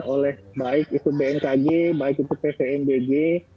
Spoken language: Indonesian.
oleh baik itu bmkg baik itu pvmbg